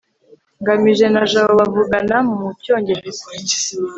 ngamije na jabo bavugana mu cyongereza